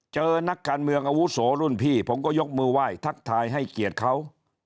เจอนักการเมืองอาวุโสรุ่นพี่ผมก็ยกมือไหว้ทักทายให้เกียรติเขา